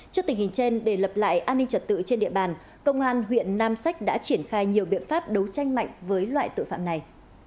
trước tình hình trên để lập lại an ninh trật tự trên địa bàn công an huyện nam sách đã triển khai nhiều biện pháp đấu tranh mạnh với loại tội phạm này